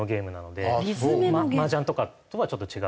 マージャンとかとはちょっと違う。